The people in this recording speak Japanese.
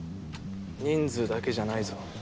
人数だけじゃないぞ。